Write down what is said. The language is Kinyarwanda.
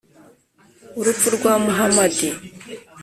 urupfu rwa muhamadi